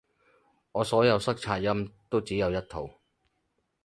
我所有塞擦音都只有一套